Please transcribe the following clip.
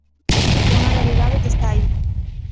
É unha realidade que está aí.